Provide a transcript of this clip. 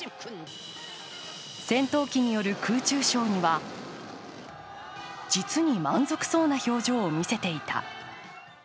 戦闘機による空中ショーには、実に満足そうな表情を見せていた。